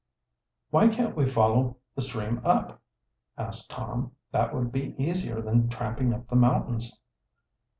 "Why can't we follow the stream up?" asked Tom. "That would be easier than tramping up the mountains."